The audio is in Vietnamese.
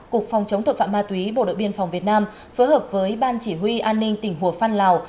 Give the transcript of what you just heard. cục phòng chống tội phạm ma túy bộ đội biên phòng việt nam phối hợp với ban chỉ huy an ninh tỉnh hồ phan lào